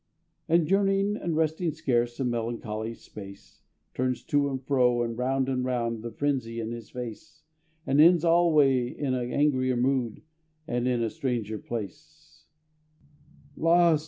And journeying, and resting scarce A melancholy space, Turns to and fro, and round and round, The frenzy in his face, And ends alway in angrier mood, And in a stranger place, Lost!